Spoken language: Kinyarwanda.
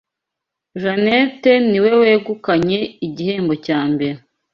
Janet niwe wegukanye igihembo cya mbere.